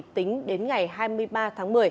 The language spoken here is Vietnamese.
tính đến ngày hai mươi ba tháng một mươi